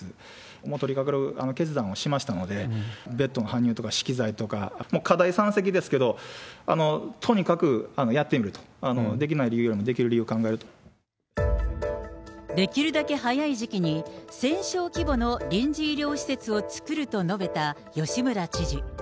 もう取りかかる決断をしましたので、ベッドの搬入とか、資機材とか、課題山積ですけど、とにかくやってみると、できない理由より、できるだけ早い時期に、１０００床規模の臨時医療施設を作ると述べた吉村知事。